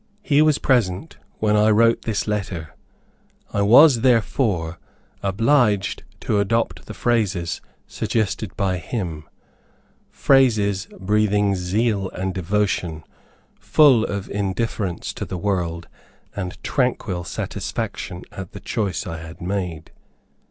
He was present when I wrote this letter; I was, therefore, obliged to adopt the phrases suggested by him, phrases, breathing zeal and devotion; full of indifference to the world, and tranquil satisfaction at the choice I had made.